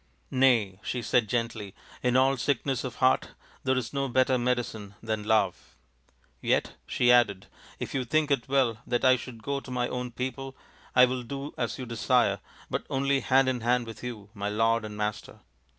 " Nay," she said gently, " in all sickness of heart there is no better medicine than love. " Yet," she added, " if you think it well that I should go to my own people, I will do as you desire, but only hand in hand with you, my lord and master."